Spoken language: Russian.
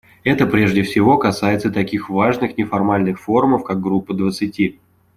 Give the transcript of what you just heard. Это прежде всего касается таких важных неформальных форумов, как Группа двадцати.